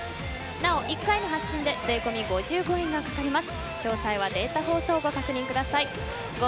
なお、１回の発信で税込み５５円がかかります。